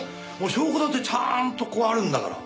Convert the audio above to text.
証拠だってちゃんとあるんだから。